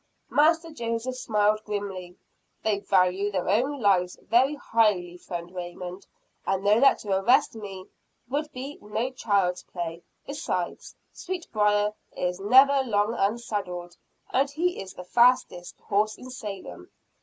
Master Joseph smiled grimly. "They value their own lives very highly, friend Raymond; and know that to arrest me would be no child's play. Besides, Sweetbriar is never long unsaddled; and he is the fastest horse in Salem."